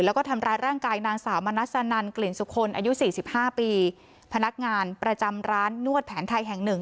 แล้วก็คลื่นสุขคนอายุ๔๕ปีพนักงานประจำร้านนวดแผนไทยแห่งหนึ่ง